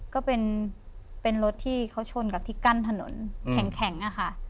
ก็เป็นรถที่เขาชนกับที่กั้นถนนแข็งอะค่ะ